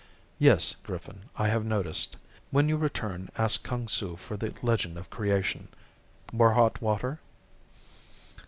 "Yes, Griffin, I have noticed. When you return ask Kung Su for the legend of creation. More hot water?"